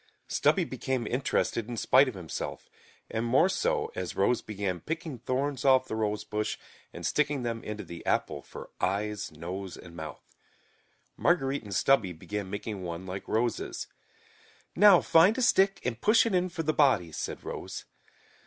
Stubby became interested in spite of himself, and more so, as Rose began picking thorns off the rosebush and sticking them into the apple for eyes, nose and mouth. Marguerite and Stubby began making one like Rose's. "Now, find a stick and push it in for the body," said Rose.